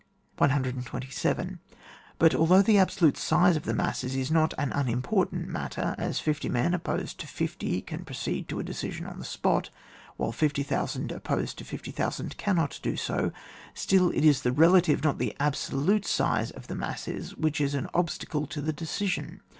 127. But — although the absolute size of the masses is not an unimportant mat ter, as fifty men opposed to fifty can pro ceed to a decision on the spot, while 50,000 opposed to 50,000 cannot do so — still it is the relative, not the absolute size of the masses, which is an obstacle to the decision.